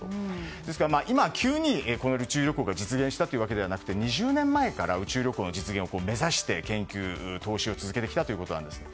ですから、今、急に宇宙旅行が実現したわけではなくて２０年前から宇宙旅行の実現を目指して研究・投資を続けてきたんです。